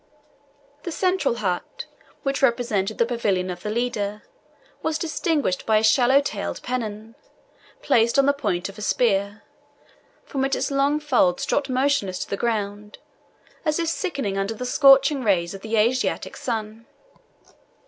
The central hut, which represented the pavilion of the leader, was distinguished by his swallow tailed pennon, placed on the point of a spear, from which its long folds dropped motionless to the ground, as if sickening under the scorching rays of the Asiatic sun.